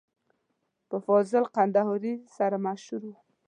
په فاضل کندهاري سره مشهور و.